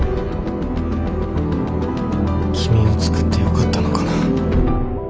君を作ってよかったのかな。